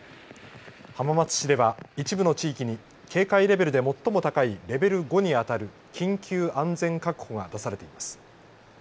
浜松市では一部の地域に警戒レベルで最も高いレベル５に当たる緊急安全確保が出されています。